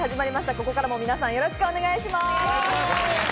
ここからも皆さん、よろしくお願いします。